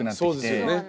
そうですよね。